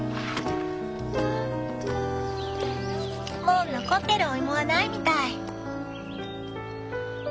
もう残ってるお芋はないみたい。